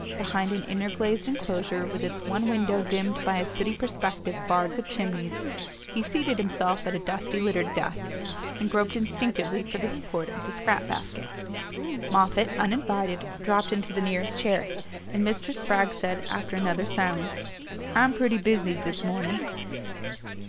Behind an inner glazed enclosure, with its one window dimmed by a sooty perspective barred with chimneys, he seated himself at a dusty littered desk, and groped instinctively for the support of the scrap basket. Moffatt, uninvited, dropped into the nearest chair, and Mr. Spragg said, after another silence: "I'm pretty busy this morning."